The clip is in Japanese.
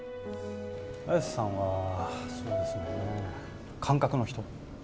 綾瀬さんは、そうですね、感覚の人。